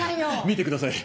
見てください。